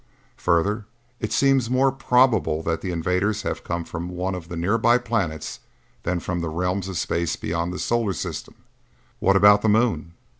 Further, it seems more probable that the invaders have come from one of the nearby planets than from the realms of space beyond the solar system." "What about the moon?"